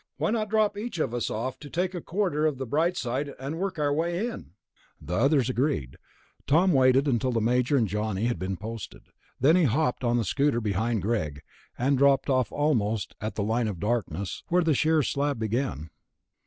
"Why not drop each of us off to take a quarter of the bright side and work our way in?" The others agreed. Tom waited until the Major and Johnny had been posted; then he hopped on the scooter behind Greg and dropped off almost at the line of darkness, where the sheer slab began.